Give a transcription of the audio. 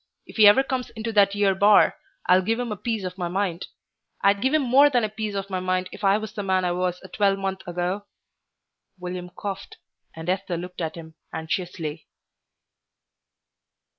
If he ever comes into that 'ere bar, I'll give him a piece of my mind. I'd give him more than a piece of my mind if I was the man I was a twelvemonth ago." William coughed, and Esther looked at him anxiously.